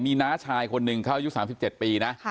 มีน้าชายคนหนึ่งเขาอายุ๓๗ปีนะ